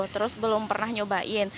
terus belum pernah mencoba